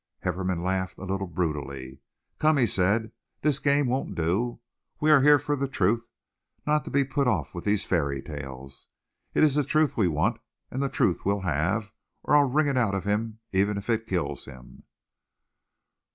Hefferom laughed a little brutally. "Come," he said, "this game won't do. We are here for the truth, not to be put off with these fairy tales. It is the truth we want, and the truth we'll have, or I'll wring it out of him even if it kills him."